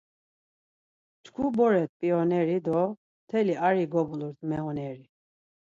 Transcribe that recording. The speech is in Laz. Çku boret p̌ioneri, do mteli ari, gobulurt meoneri